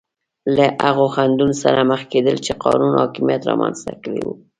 له هغو خنډونو سره مخ کېدل چې قانون حاکمیت رامنځته کړي وو.